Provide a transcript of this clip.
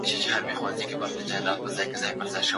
که خویندې باغ جوړ کړي نو هوا به نه وي ککړه.